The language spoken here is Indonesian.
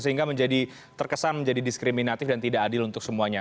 sehingga menjadi terkesan menjadi diskriminatif dan tidak adil untuk semuanya